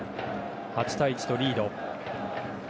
８対１とリード。